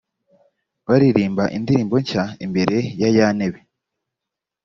baririmba indirimbo nshya imbere ya ya ntebe